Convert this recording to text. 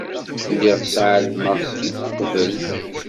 Lliɣ ssɛelmeɣ-k-id uqbel.